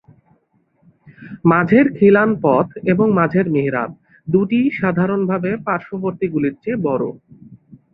মাঝের খিলান পথ এবং মাঝের মিহরাব দুটিই সাধারণভাবে পার্শ্ববর্তীগুলির চেয়ে বড়।